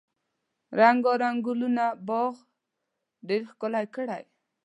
رنګارنګ ګلونه باغ ډیر ښکلی کړی.